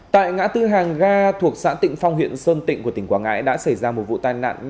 tại ngã tư hàng ga thuộc xã tịnh phong huyện sơn tịnh của tỉnh quảng ngãi đã xảy ra một vụ tai nạn